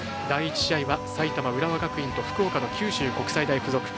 第１試合は埼玉、浦和学院と福岡の九州国際大付属。